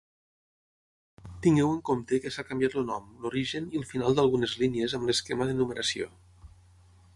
Tingueu en compte que s'ha canviat el nom, l'origen i el final d'algunes línies amb l'esquema de numeració.